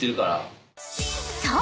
［そう。